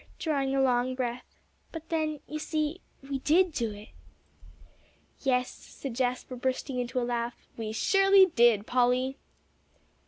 drawing a long breath. "But then, you see, we did do it." "Yes," said Jasper, bursting into a laugh, "we surely did, Polly."